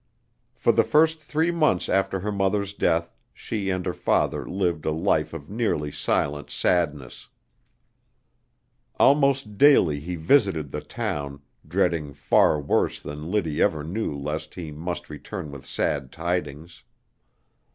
For the first three months after her mother's death she and her father lived a life of nearly silent sadness. Almost daily he visited the town, dreading far worse than Liddy ever knew lest he must return with sad tidings.